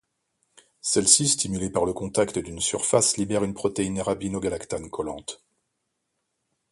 Celle-ci stimulée par le contact d’une surface libère une protéine arabinogalactane collante.